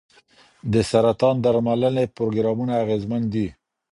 د سرطان درملنې پروګرامونه اغېزمن دي.